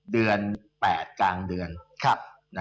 เดือน๘กลางเดือน